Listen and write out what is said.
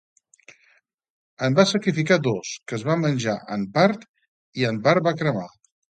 En va sacrificar dos, que es va menjar en part i en part va cremar.